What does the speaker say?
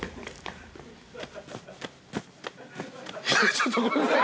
ちょっとごめんなさい。